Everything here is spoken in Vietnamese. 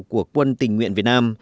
của quân tỉnh nguyện việt nam